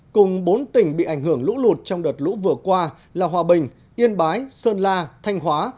cùng bốn tỉnh bị ảnh hưởng lũ lụt trong đợt lũ vừa qua là hòa bình yên bái sơn la thanh hóa